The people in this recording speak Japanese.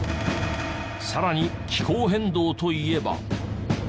さらに気候変動といえば。